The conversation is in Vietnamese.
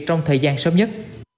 trong thời gian sớm nhất